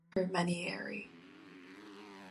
It was produced by Marco Manieri.